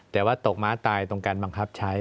แต่ว่าตกม้าตายตรงการบังคับใช้